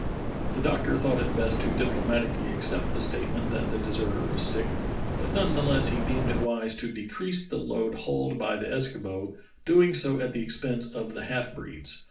The doctor thought it best to diplomatically accept the statement that the deserter was sick, but none the Dr. Rae and the Franklin Mystery 151 less he deemed it wise to decrease the load hauled by the Eskimo, doing so at the expense of the half breeds.